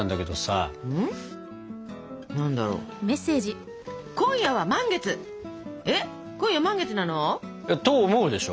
えっ今夜満月なの？と思うでしょ？